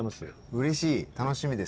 うれしい楽しみです。